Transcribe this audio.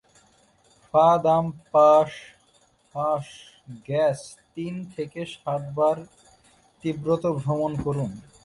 ফা-দাম-পা-সাংস-র্গ্যাস তিন থেকে সাত বার তিব্বত ভ্রমণ করেন।